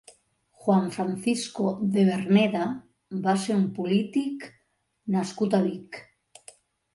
Juan Francisco de Verneda va ser un polític nascut a Vic.